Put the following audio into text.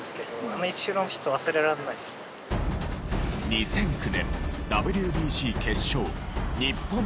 ２００９年ＷＢＣ決勝日本対韓国。